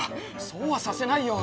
そうはさせないよ！